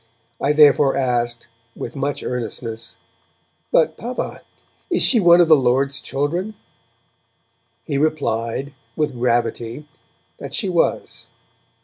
I therefore asked, with much earnestness, 'But, Papa, is she one of the Lord's children?' He replied, with gravity, that she was.